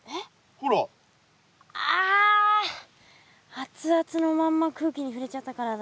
アツアツのまんま空気に触れちゃったからだ。